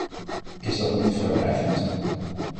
Is dat niet te vrijblijvend?